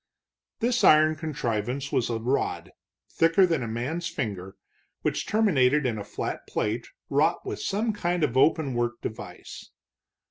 This iron contrivance was a rod, little thicker than a man's finger, which terminated in a flat plate wrought with some kind of open work device.